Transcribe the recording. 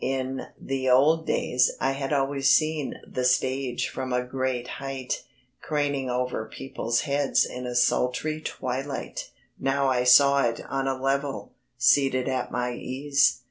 In the old days I had always seen the stage from a great height, craning over people's heads in a sultry twilight; now I saw it on a level, seated at my ease.